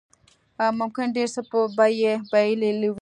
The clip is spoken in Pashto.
ممکن ډېر څه به يې بايللي وو.